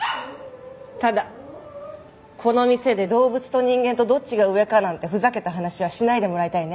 ただこの店で動物と人間とどっちが上かなんてふざけた話はしないでもらいたいね。